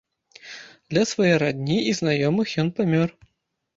Для свае радні і знаёмых ён памёр.